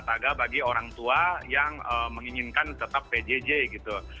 taga bagi orang tua yang menginginkan tetap pjj gitu